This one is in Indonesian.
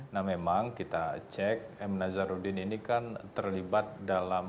nah memang kita cek m nazarudin ini kan terlibat dalam